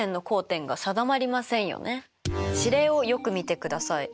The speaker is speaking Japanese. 指令をよく見てください。